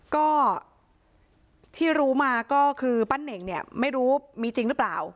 ก็ที่รู้มาก็คือปั้นเน่งเนี่ยไม่รู้มีจริงหรือเปล่า